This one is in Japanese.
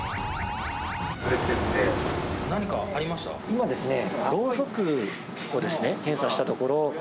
今ですね。